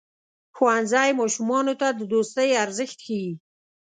ښوونځی ماشومانو ته د دوستۍ ارزښت ښيي.